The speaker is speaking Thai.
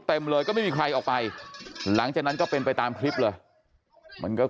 เต็มเลยก็ไม่มีใครออกไปหลังจากนั้นก็เป็นไปตามคลิปเลยมันก็